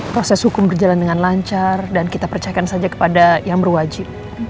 proses hukum berjalan dengan lancar dan kita percayakan saja kepada yang berwajib